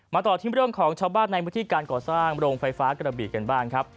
ต่อที่เรื่องของชาวบ้านในพื้นที่การก่อสร้างโรงไฟฟ้ากระบีกันบ้างครับ